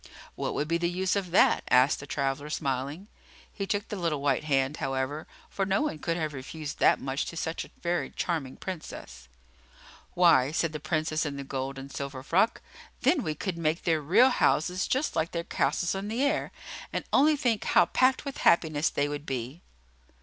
"What would be the use of that?" asked the traveller, smiling. He took the little white hand, however, for no one could have refused that much to such a very charming Princess. "Why," said the Princess in the gold and silver frock, "then we could make their real houses just like their castles in the air; and only think how packed with happiness they would be!"